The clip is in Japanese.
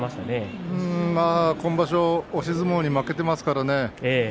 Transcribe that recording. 今場所は押し相撲に負けていますからね。